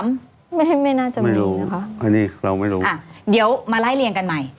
ไม่ไม่น่าจะมีนะคะอันนี้เราไม่รู้ค่ะเดี๋ยวมาไล่เรียงกันใหม่